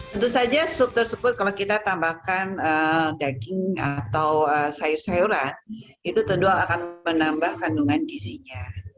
tentu saja sup tersebut kalau kita tambahkan daging atau sayur sayuran itu tentu akan menambah kandungan gizinya